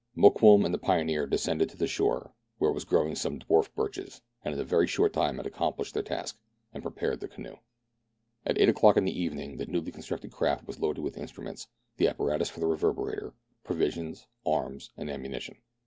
Mokoum and the pioneer descended to the shore, where were growing some dwarf birches, and in a very short time had accomplished their task, and prepared the canoe. At eight o'clock in the evening the newly constructed craft was loaded with instruments, the apparatus for the reverberator, provisions, arms, and ammunition.